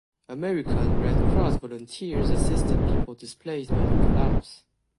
American Red Cross volunteers assisted people displaced by the collapse.